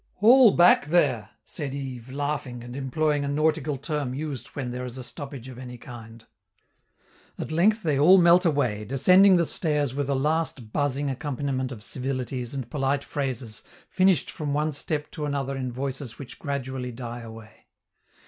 "Haul back there!" said Yves, laughing, and employing a nautical term used when there is a stoppage of any kind. At length they all melt away, descending the stairs with a last buzzing accompaniment of civilities and polite phrases finished from one step to another in voices which gradually die away.